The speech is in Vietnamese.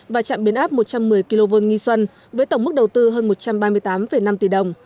và trạm biến áp một trăm một mươi kv nghi xuân với tổng mức đầu tư hơn một trăm ba mươi tám năm tỷ đồng